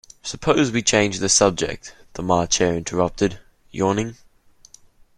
‘Suppose we change the subject,’ the March Hare interrupted, yawning.